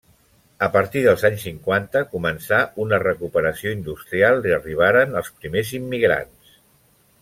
A partir dels anys cinquanta començà una recuperació industrial i arribaren els primers immigrants.